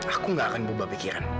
aku gak akan berubah pikiran